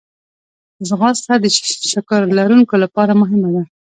ځغاسته د شکر لرونکو لپاره مهمه ده